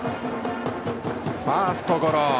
ファーストゴロ。